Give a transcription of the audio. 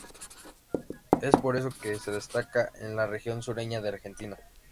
Es por eso que se destaca en la región sureña de Argentina.